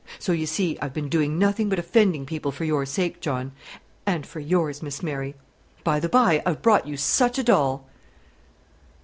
So, you see, I've been doing nothing but offending people for your sake, John; and for yours, Miss Mary. By the by, I've brought you such a doll!"